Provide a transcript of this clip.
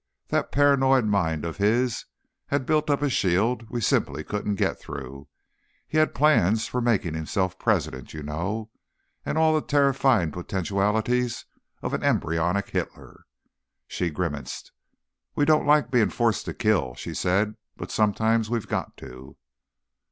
"That paranoid mind of his had built up a shield we simply couldn't get through. He had plans for making himself president, you know—and all the terrifying potentialities of an embryonic Hitler." She grimaced. "We don't like being forced to kill," she said, "but sometimes we've got to."